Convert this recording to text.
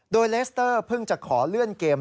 โดยเลสเตอร์เพิ่งจะขอเลื่อนเกม